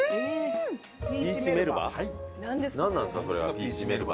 ピーチメルバ？